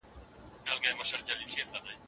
ما د خپلې کوژدنې لپاره یو ښکلی غاړکۍ واخیسته.